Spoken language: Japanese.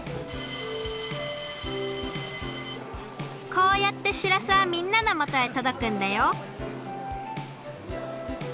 こうやってしらすはみんなのもとへとどくんだよ